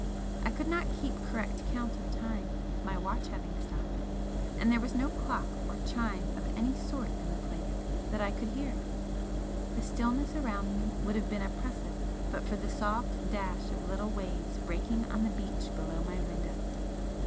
I could not keep correct count of time, my watch having stopped, and there was no clock or chime of any sort in the place that I could hear. The stillness around me would have been oppressive but for the soft dash of little waves breaking on the beach below my window.